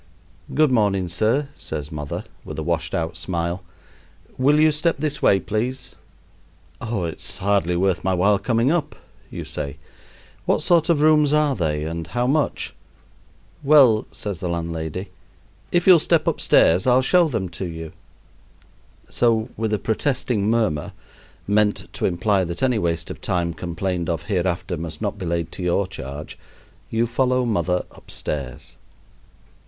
"Good morning, sir," says "mother," with a washed out smile. "Will you step this way, please?" "Oh, it's hardly worth while my coming up," you say. "What sort of rooms are they, and how much?" "Well," says the landlady, "if you'll step upstairs I'll show them to you." So with a protesting murmur, meant to imply that any waste of time complained of hereafter must not be laid to your charge, you follow "mother" upstairs.